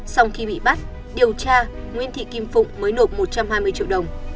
sau khi bị bắt điều tra nguyễn thị kim phụng mới nộp một trăm hai mươi triệu đồng